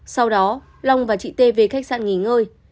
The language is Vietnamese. sau đó lòng và chị tê về khách sạn nghỉ ngơi